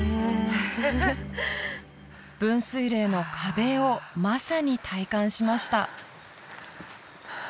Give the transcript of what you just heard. ハハッ分水嶺の壁をまさに体感しました